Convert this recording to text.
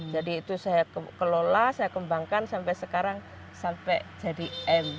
jadi itu saya kelola saya kembangkan sampai sekarang sampai jadi m